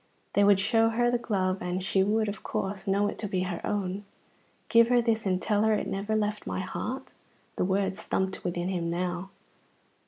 They would show her the glove, and she would, of course, know it to be her own. "Give her this and tell her it never left my heart." The words thumped within him now.